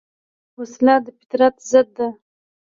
وسله د فطرت ضد ده